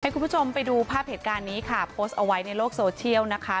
คุณผู้ชมไปดูภาพเหตุการณ์นี้ค่ะโพสต์เอาไว้ในโลกโซเชียลนะคะ